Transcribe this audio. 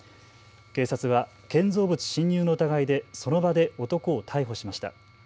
警察は建造物侵入の疑いでその場で男を逮捕しました。